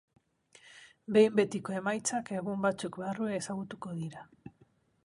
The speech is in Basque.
Behin betiko emaitzak egun batzuk barru ezagutuko dira.